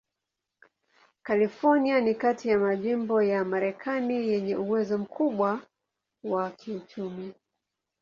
California ni kati ya majimbo ya Marekani yenye uwezo mkubwa wa kiuchumi.